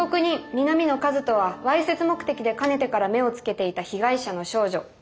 南野一翔はわいせつ目的でかねてから目をつけていた被害者の少女